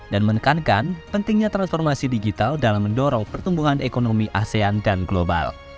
dan menekankan pentingnya transformasi digital dalam mendorong pertumbuhan ekonomi asean dan global